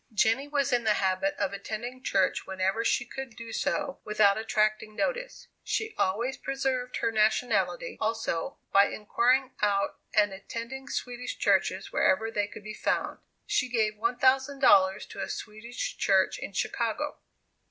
Jenny was in the habit of attending church whenever she could do so without attracting notice. She always preserved her nationality, also, by inquiring out and attending Swedish churches wherever they could be found. She gave $1,000 to a Swedish church in Chicago.